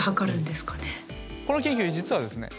この研究実はですね